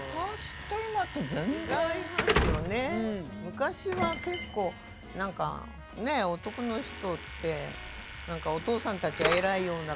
昔は結構何かねえ男の人って何かお父さんたちは偉いような感じ。